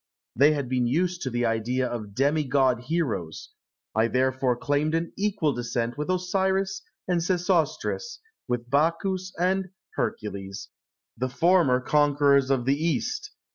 They had been used to the idea of demi god heroes. I therefore claimed an equal descent with Osiris and Sesostris, with Bacchus and Hercules, the former conquerors of the East.